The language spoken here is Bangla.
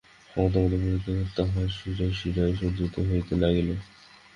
ক্ষমতামদ মদিরার মতো তাঁহার শিরায় শিরায় সঞ্চারিত হইতে লাগিল।